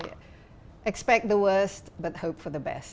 tunggu yang terburuk tapi berharap yang terbaik